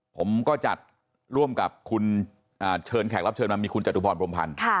ผมก็จัดร่วมกับคุณเชิญแขกรับเชิญมามีคุณจตุพรพรมพันธ์